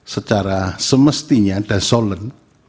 secara semestinya dan solen